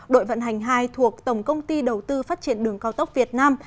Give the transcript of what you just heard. đội vận hành hai thuộc tổng công ty đầu tư phát triển đường cao tốc việt nam